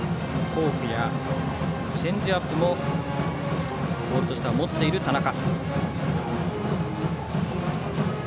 フォークやチェンジアップもボールとしては持っている田中。